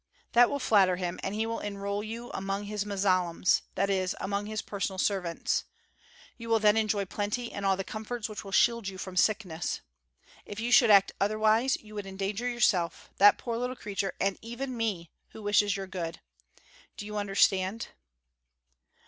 That will flatter him and he will enroll you among his muzalems, that is, among his personal servants. You will then enjoy plenty and all the comforts which will shield you from sickness. If you should act otherwise you would endanger yourself, that poor little creature, and even me, who wishes your good. Do you understand?"